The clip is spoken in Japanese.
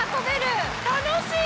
楽しい！